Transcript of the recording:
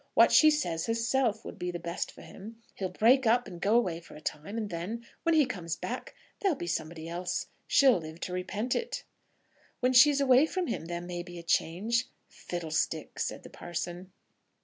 "What she says herself would be the best for him. He'll break up and go away for a time, and then, when he comes back, there'll be somebody else. She'll live to repent it." "When she's away from him there may be a change." "Fiddlestick!" said the parson.